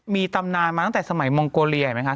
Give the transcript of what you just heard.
มีตำนานมาตั้งแต่สมัยมองโกเลียไหมครับ